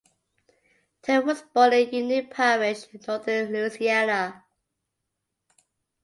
Terral was born in Union Parish in northern Louisiana.